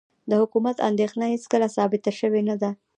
د حکومت اندېښنه هېڅکله ثابته شوې نه ده.